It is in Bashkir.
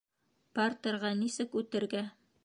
Партерға нисек үтергә?